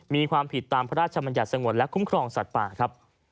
มีความผิดตามพระราชบัญญัติสงวนและคุ้มครองสัตว์ป่าครับ